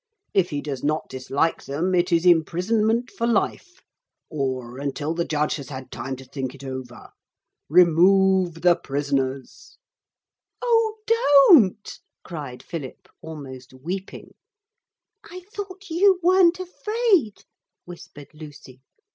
If he does not dislike them it is imprisonment for life, or until the judge has had time to think it over. Remove the prisoners.' 'Oh, don't!' cried Philip, almost weeping. 'I thought you weren't afraid,' whispered Lucy.